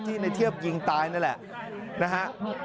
ในเทียบยิงตายนั่นแหละนะฮะ